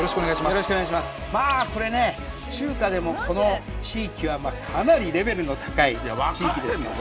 まあこれね中華でもこの地域はかなりレベルの高い地域ですから。